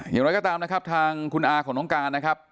อย่างไรก็ตามนะครับทางคุณอาของน้องการนะครับ